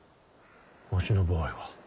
わしの場合は。